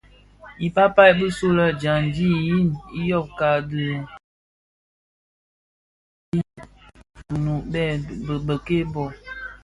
I pal pal bisulè dyandi yin yoba di dhimandè Gunu dhi bèk-kè bō.